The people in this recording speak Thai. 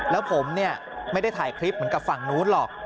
แล้วผมไม่ได้ถ่ายคลิปเหมือนกับฝั่งนู้นหรอก